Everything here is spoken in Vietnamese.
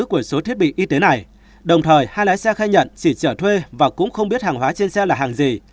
của số thiết bị y tế này đồng thời hai lái xe khai nhận xì chở thuê và cũng không biết hàng hóa trên xe là hàng gì